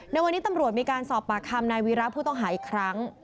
ในวันนี้ตำรวจมีการสอบปากคำนายวีระผู้ต้องหาอีกครั้ง